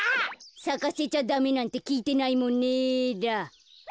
さかせちゃダメなんてきいてないもんねだ。